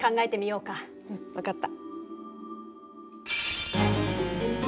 うん分かった。